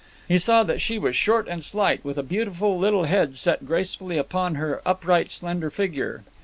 He saw that she was short and slight, with a beautiful little head set gracefully upon her upright slender figure.